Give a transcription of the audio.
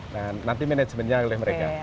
dan nanti manajemennya oleh mereka